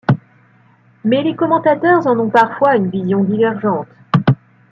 Mais les commentateurs en ont parfois une vision divergente.